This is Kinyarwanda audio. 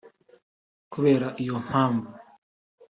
Kubera iyo mpamvu